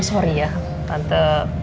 sorry ya tante